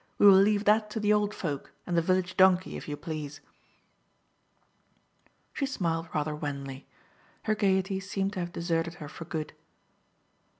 We will leave that to the old folk and the village donkey, if you please." She smiled rather wanly. Her gaiety seemed to have deserted her for good.